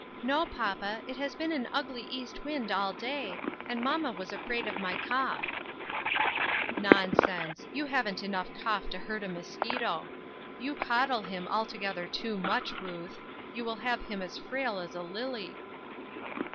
" No, papa ; it has been an ugly east wind all day, and mamma was afraid of my cough." " Nonsense ! You haven't enough cough to hurt a mosquito. You coddle him altogether to much, Ruth ; you will have him as frail as a lily."